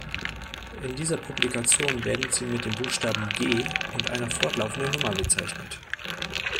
In dieser Publikation werden sie mit dem Buchstaben „G“ und einer fortlaufenden Nummer bezeichnet.